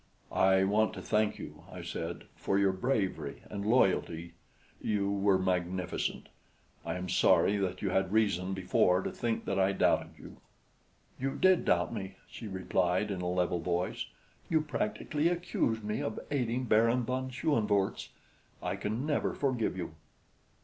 "I want to thank you," I said, "for your bravery and loyalty you were magnificent. I am sorry that you had reason before to think that I doubted you." "You did doubt me," she replied in a level voice. "You practically accused me of aiding Baron von Schoenvorts. I can never forgive you."